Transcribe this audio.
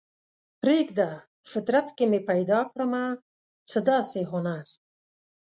پریږده فطرت کې مې پیدا کړمه څه داسې هنر